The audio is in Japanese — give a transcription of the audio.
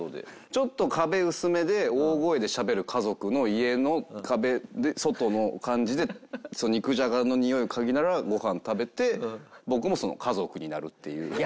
ちょっと壁薄めで大声でしゃべる家族の家の壁で外の感じで肉じゃがのにおいを嗅ぎながらご飯食べて。